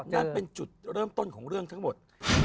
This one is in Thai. นั่นเป็นจุดเริ่มต้นของเรื่องทั้งหมด